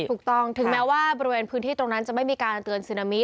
ถูกต้องถึงแม้ว่าบริเวณพื้นที่ตรงนั้นจะไม่มีการเตือนซึนามิ